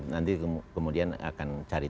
nanti kemudian akan cari